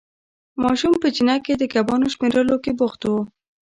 ماشوم په چینه کې د کبانو شمېرلو کې بوخت وو.